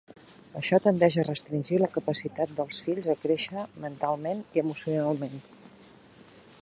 Això tendeix a restringir la capacitat dels fills a créixer mentalment i emocionalment.